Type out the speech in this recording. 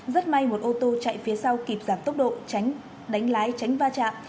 rất may một ô tô chạy phía sau kịp giảm tốc độ tránh đánh lái tránh va chạm